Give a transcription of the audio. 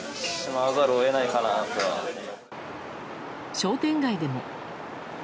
商店街でも。